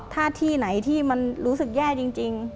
ถ้าที่ไหนที่มันรู้สึกแย่จริง